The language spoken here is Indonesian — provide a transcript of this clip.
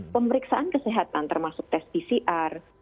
pemeriksaan kesehatan termasuk tes pcr